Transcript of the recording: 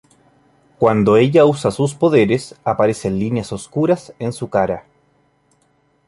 Cuando ella usa sus poderes, aparecen líneas oscuras en su cara.